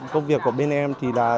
công việc của bên em thì là